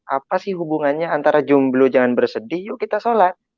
apa sih hubungannya antara jumblo jangan bersedih yuk kita sholat